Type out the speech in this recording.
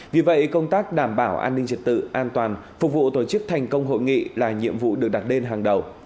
vì vậy công tác đảm bảo an ninh trật tự an toàn phục vụ tổ chức thành công hội nghị là nhiệm vụ được đặt lên hàng đầu